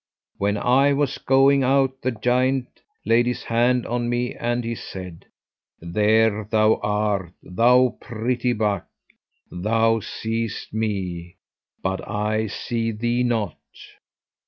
When I was going out the giant laid his hand on me, and he said, 'There thou art, thou pretty buck; thou seest me, but I see thee not.'